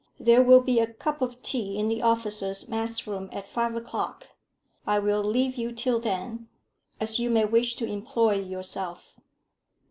There will be a cup of tea in the officers' mess room at five o'clock. I will leave you till then, as you may wish to employ yourself."